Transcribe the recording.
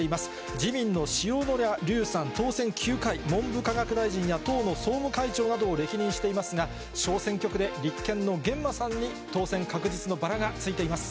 自民の塩谷立さん、当選９回、文部科学大臣や党の総務会長などを歴任していますが、小選挙区で立憲の源馬さんに当選確実のバラがついています。